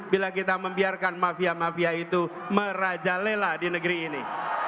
bila kita membiarkan mafia mafia itu merajalela di negeri ini